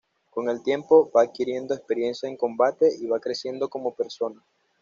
Con el tiempo va adquiriendo experiencia en combate y va creciendo como persona.